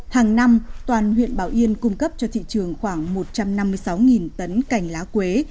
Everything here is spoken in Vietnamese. hàng năm toàn huyện bảo yên cung cấp cho thị trường khoảng một trăm năm mươi sáu tấn cành lá quế